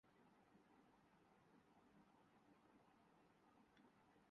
اگر سعودی عرب سے کمایا گیا تو اس کا ثبوت کیا ہے؟